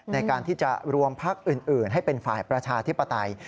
ในการที่จะรวมพักอื่นให้เป็นฝ่ายประชาธิปไตย